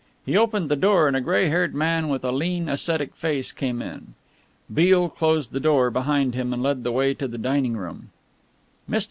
He opened the door and a grey haired man with a lean, ascetic face came in. Beale closed the door behind him and led the way to the dining room. "Mr.